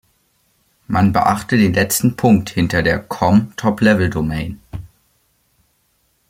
Man beachte den letzten Punkt hinter der „com“ Top-Level-Domain.